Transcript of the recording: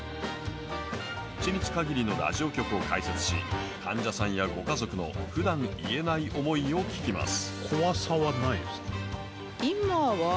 一日かぎりのラジオ局を開設し患者さんやご家族のふだん言えない思いを聞きます。